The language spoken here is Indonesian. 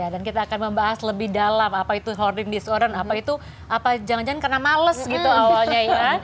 dan kita akan membahas lebih dalam apa itu hoarding disorder apa itu jangan jangan kena males gitu awalnya ya